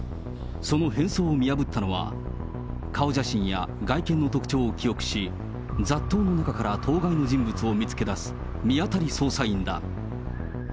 その変装を見破ったのは、顔写真や外見の特徴を記憶し、雑踏の中から当該の人物を見つけ出す、見当たり捜査員だ。